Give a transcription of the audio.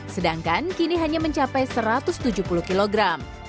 sedangkan kini hanya mencapai satu ratus tujuh puluh kilogram